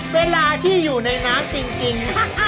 เวลาที่อยู่ในน้ำจริง